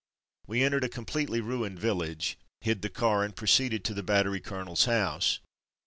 We en tered a completely ruined village, hid the car, and proceeded to the battery coloneFs house.